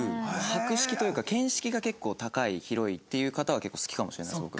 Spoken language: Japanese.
博識というか見識が結構高い広いっていう方は結構好きかもしれないです僕。